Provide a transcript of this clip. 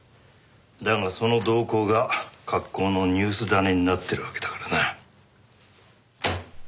だがその動向が格好のニュースダネになってるわけだからな。